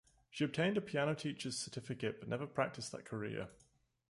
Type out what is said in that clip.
She obtained a piano teacher's certificate but never practiced that career.